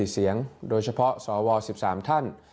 ๔เสียงโดยเฉพาะสว๑๓ท่าน